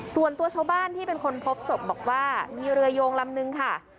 ส่วนตัวชาวบ้านที่เป็นคนพบศพบอกว่ามีเรือโยงลำนึงค่ะ